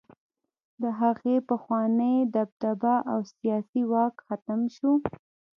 د هغوی پخوانۍ دبدبه او سیاسي واک ختم شو.